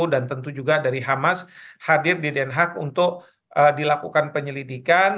dan tentu juga dari hamas hadir di den haag untuk dilakukan penyelidikan